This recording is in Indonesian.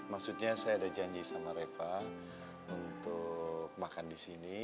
maksudnya saya ada janji sama reva untuk makan di sini